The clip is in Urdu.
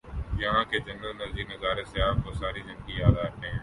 یہاں کے جنت نظیر نظارے سیاح کو ساری زندگی یاد رہتے ہیں